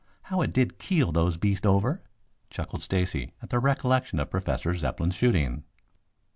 How it did keel those beasts over!" chuckled Stacy at the recollection of Professor Zepplin's shooting.